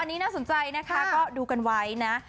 อันนี้น่าสนใจนะคะก็ดูกันไว้นะ